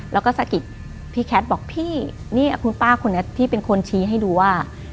แล้วก็สะกิดพี่แคทบอกพี่เนี่ยคุณป้าคนนี้พี่เป็นคนชี้ให้ดูว่า